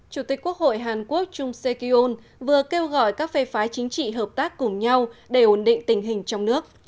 chủ tịch quốc hội hàn quốc chung se kyung vừa kêu gọi các phê phái chính trị hợp tác cùng nhau để ổn định tình hình trong nước